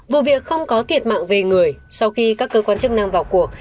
vụ việc không có thiệt mạng về người sau khi các cơ quan chức năng vào cuộc